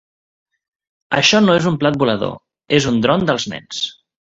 Això no és un plat volador, és un dron dels nens.